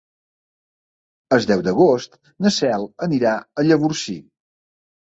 El deu d'agost na Cel anirà a Llavorsí.